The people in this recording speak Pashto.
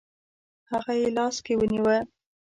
هغه یې لاس کې ونیوه.